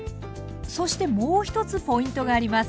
そしてもう一つポイントがあります。